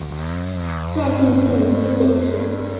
现定居于新北市。